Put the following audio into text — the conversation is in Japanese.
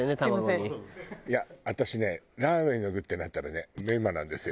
いや私ねラーメンの具ってなったらねメンマなんですよ。